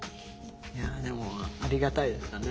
いやでもありがたいですよね。